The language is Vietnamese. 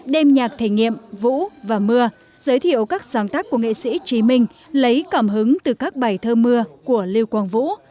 đem nhạc thầy nghiệm vũ và mưa giới thiệu các sáng tác của nghệ sĩ trí minh lấy cảm hứng từ các bài thơ mưa của liêu quang vũ